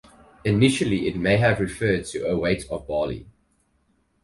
Initially, it may have referred to a weight of barley.